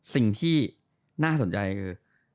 สิ่งที่น่าสนใจคือ